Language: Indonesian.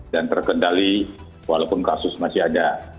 dan terkendali walaupun kasus masih ada